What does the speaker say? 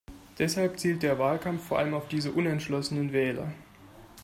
Deshalb zielt der Wahlkampf vor allem auf diese unentschlossenen Wähler.